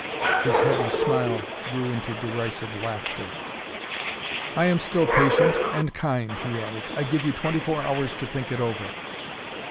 His heavy smile grew into derisive laughter. "I am still patient, and kind," he added. "I give you twenty four hours to think it over."